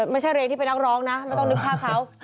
ไม่ใช่เรย์ที่เป็นนักร้องนะไม่ต้องนึกภาพเขา